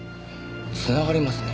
繋がりますね。